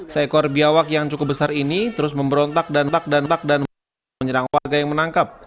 seekor biawak yang cukup besar ini terus memberontak dan tak dantak dan menyerang warga yang menangkap